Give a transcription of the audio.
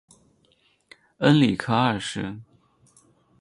恩里克二世。